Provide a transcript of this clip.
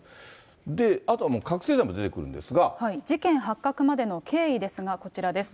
で、あとは覚醒剤も出てくるんで事件発覚までの経緯ですが、こちらです。